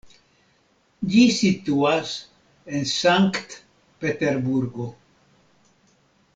Ĝi situas en Sankt-Peterburgo.